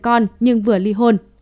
con nhưng vừa ly hôn